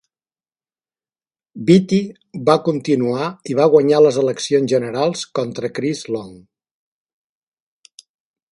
Beatty va continuar i va guanyar les eleccions generals contra Chris Long.